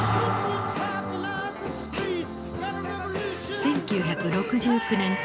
１９６９年８月。